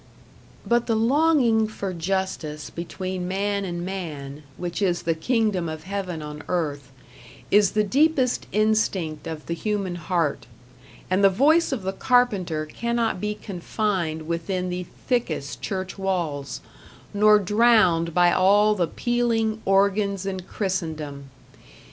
But the longing for justice between man and man, which is the Kingdom of Heaven on earth, is the deepest instinct of the human heart, and the voice of the carpenter cannot be confined within the thickest church walls, nor drowned by all the pealing organs in Christendom.